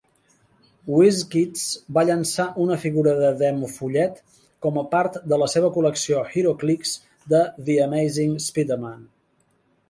Wizkids va llançar una figura de Demofollet com a part de la seva col·lecció "HeroClix" de The Amazing Spider-Man.